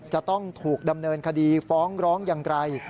จะต้องถูกดำเนินคดีฟ้องร้องอย่างไร